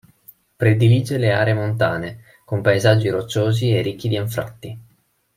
Predilige le aree montane, con paesaggi rocciosi e ricchi di anfratti.